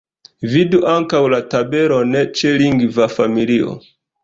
Vidu ankaŭ la tabelon ĉe lingva familio.